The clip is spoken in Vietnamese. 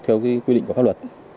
theo quy định của pháp luật